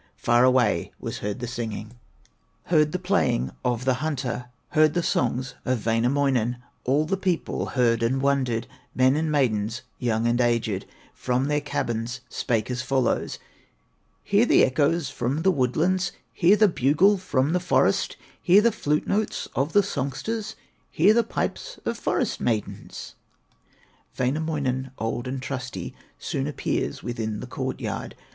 Far away was heard the singing, Heard the playing of the hunter, Heard the songs of Wainamoinen; All the people heard and wondered, Men and maidens, young and aged, From their cabins spake as follows: "Hear the echoes from the woodlands, Hear the bugle from the forest, Hear the flute notes of the songsters, Hear the pipes of forest maidens!" Wainamoinen, old and trusty, Soon appears within the court yard.